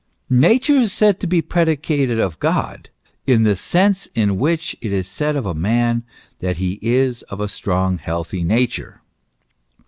Nature is said to be predicated of God, "in the sense in which it is said of a man, that he is of a strong, healthy nature."